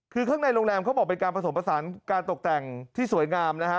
คือข้างในโรงแรมเขาบอกเป็นการผสมผสานการตกแต่งที่สวยงามนะฮะ